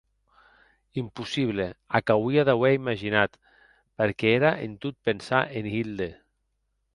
Impossible, ac auie d'auer imaginat perque ère en tot pensar en Hilde.